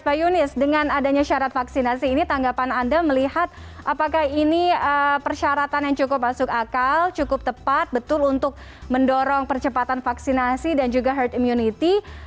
pak yunis dengan adanya syarat vaksinasi ini tanggapan anda melihat apakah ini persyaratan yang cukup masuk akal cukup tepat betul untuk mendorong percepatan vaksinasi dan juga herd immunity